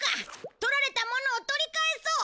取られたものを取り返そう！